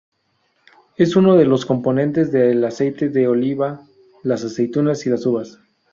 Es uno de los componentes del aceite de oliva, las aceitunas y las uvas.